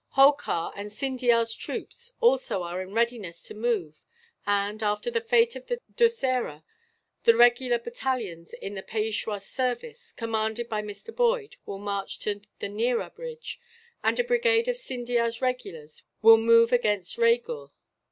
Holkar and Scindia's troops also are in readiness to move and, after the fete of the Dussera, the regular battalions in the Peishwa's service, commanded by Mr. Boyd, will march to the Neera bridge, and a brigade of Scindia's regulars will move against Raygurh.